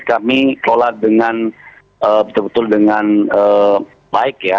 kami kelola dengan betul betul dengan baik ya